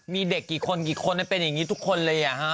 มีเด็กกี่คนกี่คนแล้วเป็นอย่างงี้ทุกคนเลยเอะฮะ